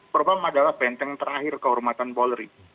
propam adalah benteng terakhir kehormatan polri